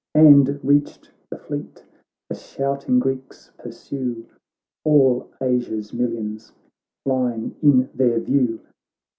And reached the fleet ; the shouting Greeks pursue All Asia's millions, flying in their view.